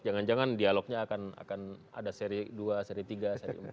jangan jangan dialognya akan ada seri dua seri tiga seri empat